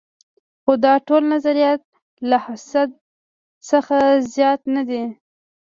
خو دا ټول نظریات له حدس څخه زیات نه دي.